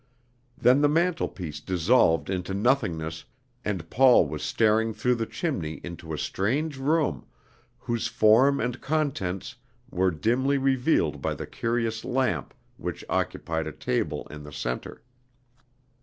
Then the mantelpiece dissolved into nothingness, and Paul was staring through the chimney into a strange room, whose form and contents were dimly revealed by the curious lamp which occupied a table in the centre.